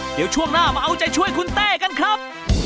เดี๋ยวช่วงหน้ามาเอาใจช่วยคุณเต้กันครับ